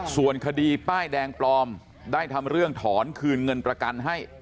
ส่วนคดีป้ายแดงปลอมได้ทำเรื่องถอนคืนเงินประกันให้